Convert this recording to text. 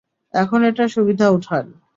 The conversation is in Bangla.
এখন এটার সুবিধা উঠান।